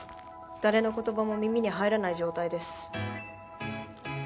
誰の言葉も耳に入らない状態です。